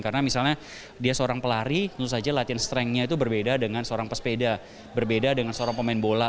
karena misalnya dia seorang pelari tentu saja latihan strengthnya itu berbeda dengan seorang pesepeda berbeda dengan seorang pemain bola